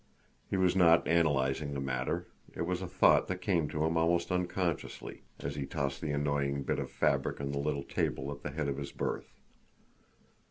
He was not analyzing the matter. It was a thought that came to him almost unconsciously, as he tossed the annoying bit of fabric on the little table at the head of his berth.